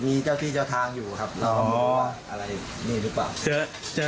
มีเจ้าที่เจ้าทางอยู่ครับอ๋ออะไรนี่หรือเปล่า